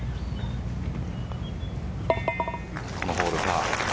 このホール、パー。